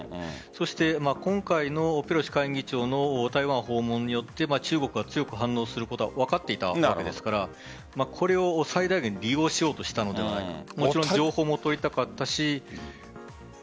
そして今回のペロシ下院議長の台湾訪問によって中国が強く反応することは分かっていたわけですからこれを最大限に利用しようとしたのではないかと。